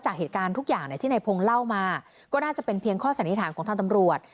จากเหตุการณ์ทุกอย่างที่ในพงศ์เล่ามาก็น่าจะเป็นเพียงข้อสันนิษฐานของทางตำรวจ